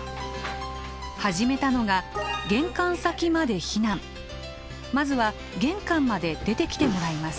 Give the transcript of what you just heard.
始めたのがまずは玄関まで出てきてもらいます。